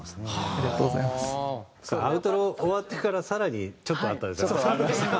アウトロ終わってから更にちょっとあったじゃん。